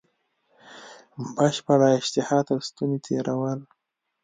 بشپړه اشتها تر ستوني تېرول.